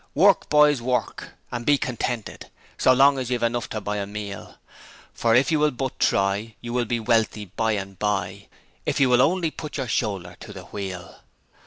Work, boys, work and be contented So long as you've enough to buy a meal. For if you will but try, you'll be wealthy bye and bye If you'll only put yer shoulder to the wheel.'